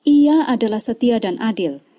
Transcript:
ia adalah setia dan adil